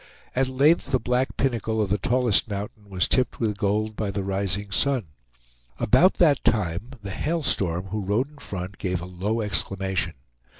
At length the black pinnacle of the tallest mountain was tipped with gold by the rising sun. About that time the Hail Storm, who rode in front gave a low exclamation.